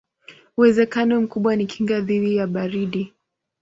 Uwezekano mkubwa ni kinga dhidi ya baridi.